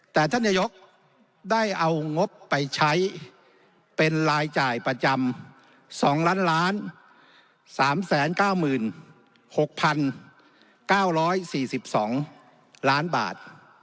แต่ท่านยยกได้เอางบไปใช้เป็นรายจ่ายประจำสองล้านล้านสามแสนเก้าหมื่นหกพันเก้าร้อยสี่สิบสองล้านบาท